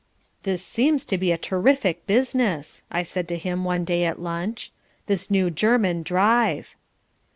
"This seems to be a terrific business," I said to him one day at lunch, "this new German drive."